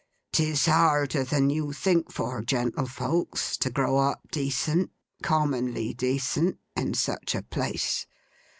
''Tis harder than you think for, gentlefolks, to grow up decent, commonly decent, in such a place.